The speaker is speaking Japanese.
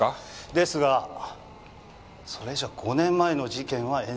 ですがそれじゃ５年前の事件は冤罪って事に。